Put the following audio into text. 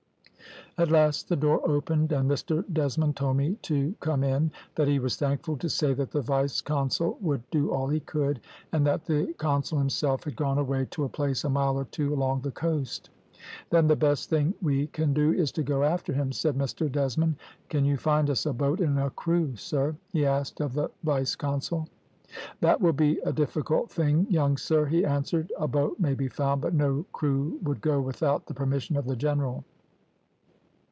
"At last the door opened, and Mr Desmond told me to come in, that he was thankful to say that the vice consul would do all he could, and that the consul himself had gone away to a place a mile or two along the coast. `Then the best thing we can do is to go after him,' said Mr Desmond. `Can you find us a boat and crew, sir?' he asked of the vice consul. "`That will be a difficult thing, young sir,' he answered. `A boat may be found, but no crew would go without the permission of the general.'